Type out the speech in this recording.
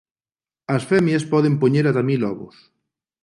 As femias poden poñer ata mil ovos.